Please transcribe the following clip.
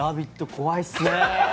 怖いっすね。